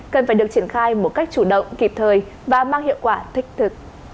cần phải được triển khai một cách chủ động kịp thời và mang hiệu quả thích thực